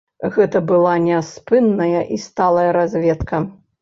Гэта была няспынная і сталая разведка.